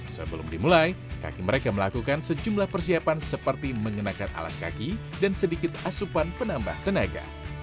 sebelum dimulai kaki mereka melakukan sejumlah persiapan seperti mengenakan alas kaki dan sedikit asupan penambah tenaga